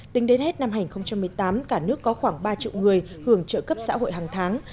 tính đến hết năm hai nghìn một mươi tám cả nước có khoảng ba triệu người hưởng trợ cấp xã hội hàng tháng